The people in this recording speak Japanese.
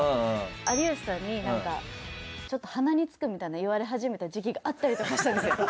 有吉さんにちょっと鼻につくみたいに言われ始めた時期があったりとかしたんですよ。